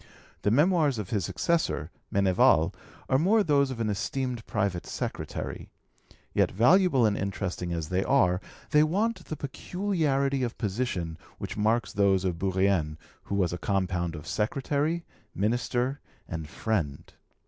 The Memoirs of his successor, Meneval, are more those of an esteemed private secretary; yet, valuable and interesting as they are, they want the peculiarity of position which marks those of Bourrienne, who was a compound of secretary, minister, and friend.